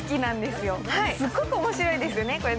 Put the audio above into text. すごく面白いですよね、これ。